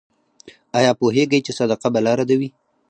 ایا پوهیږئ چې صدقه بلا ردوي؟